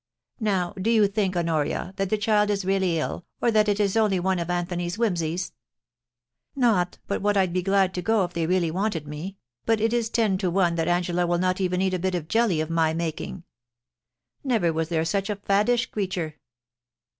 Now, do you think, Honoria, that the child is really ill, or that it is only one of Anthony's whimsies ? Not but what I'd be glad to go if they really wanted me, but it is ten to one that Angela will not even" eat a bit of jelly of my making. Never was there such a faddish creature